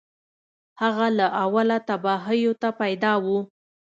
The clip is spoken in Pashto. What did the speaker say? هغه له اوله تباهیو ته پیدا و